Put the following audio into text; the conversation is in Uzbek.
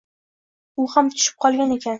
U ham tushib qolgan ekan.